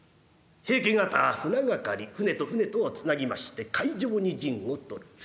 平家方は船がかり船と船とをつなぎまして海上に陣を取る。